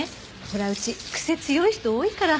ほらうちクセ強い人多いから。